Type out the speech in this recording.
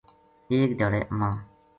ایک دھیاڑے اماں